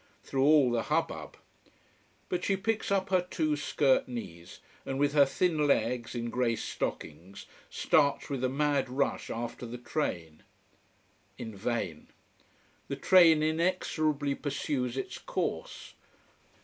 through all the hubbub. But she picks up her two skirt knees, and with her thin legs in grey stockings starts with a mad rush after the train. In vain. The train inexorably pursues its course.